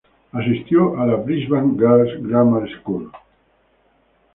Asistió a la Brisbane Girls Grammar School.